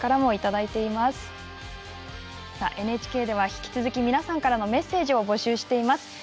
ＮＨＫでは引き続き皆さんからのメッセージを募集しています。